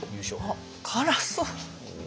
あっ辛そう！